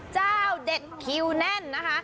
จ้าวเด้นคิวแน่นนะคะ